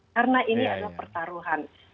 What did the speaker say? karena ini adalah pertaruhan